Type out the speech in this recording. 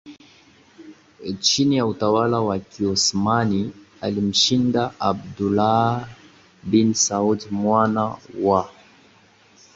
chini ya utawala wa Kiosmani alimshinda Abdullah bin Saud mwana wa